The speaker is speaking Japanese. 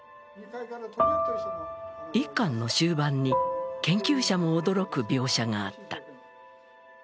１巻の終盤に、研究者も驚く描写があった。